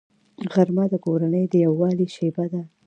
غرمه د کورنۍ د یووالي شیبه ده